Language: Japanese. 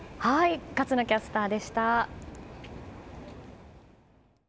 勝野キャスターでした。